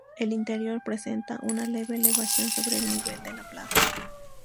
El interior presenta una leve elevación sobre el nivel de la plaza.